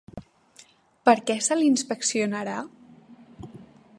Per què se l'inspeccionarà?